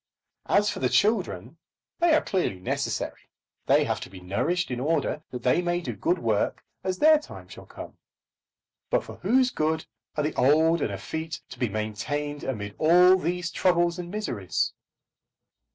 As for the children, they are clearly necessary. They have to be nourished in order that they may do good work as their time shall come. But for whose good are the old and effete to be maintained amid all these troubles and miseries?